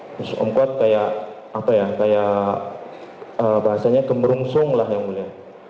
terus om kuat kayak apa ya kayak bahasanya gemerungsung lah yang mulia